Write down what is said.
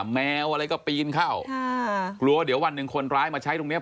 แมวอะไรก็ปีนเข้าค่ะกลัวเดี๋ยววันหนึ่งคนร้ายมาใช้ตรงเนี้ย